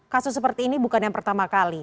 kasus seperti ini bukan yang pertama kali